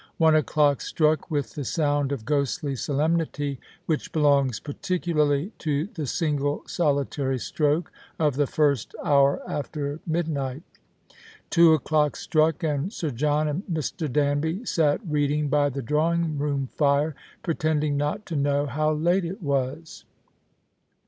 One o'clock struck with the sound of ghostly solemnity which belongs particularly to the single solitary stroke of the first hour after midnight ; two o'clock struck, and Sir John and Mr. Danby sat reading by the drawing room fire, pretending not to know how late it was.